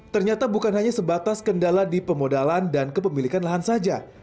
ternyata bukan hanya sebatas kendala di pemodalan dan kepemilikan lahan saja